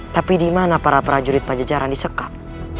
tapi dimana para prajurit pajajara disekap